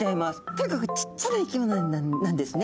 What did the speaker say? とにかくちっちゃな生き物なんですね。